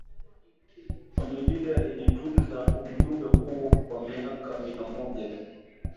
familia ilitunza ujumbe huo kwa miaka mia moja